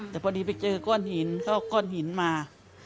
แต่พอดีไปเจอก้อนหินเขาเอาก้อนหินมา